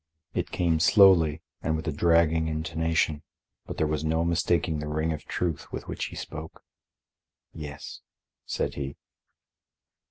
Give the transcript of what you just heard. It came slowly and with a dragging intonation, but there was no mistaking the ring of truth with which he spoke. "Yes," said he.